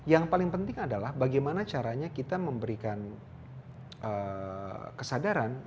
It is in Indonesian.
yang paling penting adalah bagaimana caranya kita memberikan kesadaran